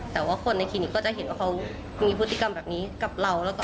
แต่ว่าคนในคลินิกก็จะเห็นว่าเขามีพฤติกรรมแบบนี้กับเรา